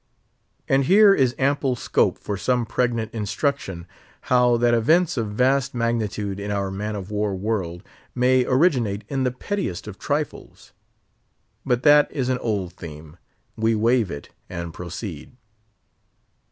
And here is ample scope for some pregnant instruction, how that events of vast magnitude in our man of war world may originate in the pettiest of trifles. But that is an old theme; we waive it, and proceed.